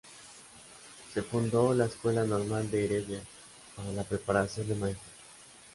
Se fundó la Escuela Normal de Heredia para la preparación de maestros.